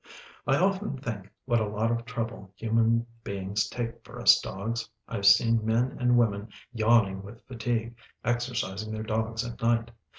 I often think what a lot of trouble human beings take for us dogs. I've seen men and women yawning with fatigue, exercising their dogs at night.